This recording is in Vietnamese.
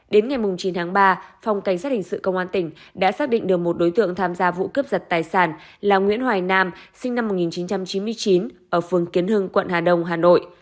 đến ngày chín tháng ba phòng cảnh sát hình sự công an tỉnh đã xác định được một đối tượng tham gia vụ cướp giật tài sản là nguyễn hoài nam sinh năm một nghìn chín trăm chín mươi chín ở phương kiến hưng quận hà đông hà nội